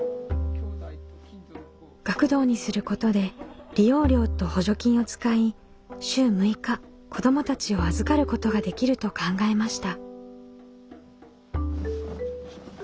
学童にすることで利用料と補助金を使い週６日子どもたちを預かることができると考えました。